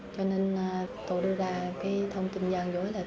cho nên tôi đưa ra thông tin gian dối là tôi có